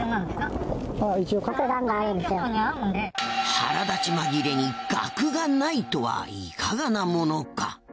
腹立ちまぎれに学が無いとはいかがなものか。